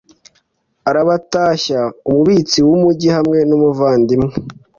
arabatashya umubitsi w umugi hamwe n umuvandimwe